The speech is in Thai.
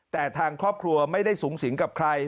แต่ทางครอบครัวไม่ได้สูงสิงกับใคร